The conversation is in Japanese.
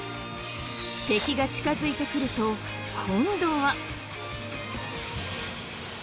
敵が近づいてくると今度は。